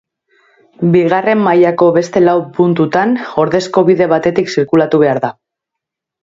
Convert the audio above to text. Bigarren mailako beste lau puntutan, ordezko bide batetik zirkulatu behar da.